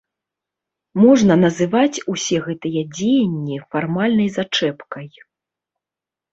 Можна называць усе гэтыя дзеянні фармальнай зачэпкай.